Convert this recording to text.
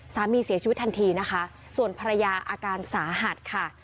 สามีเสียชีวิตทันทีนะคะส่วนภรรยาอาการสาหัสค่ะ